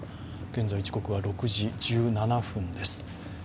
現在、時刻は６時１７分です。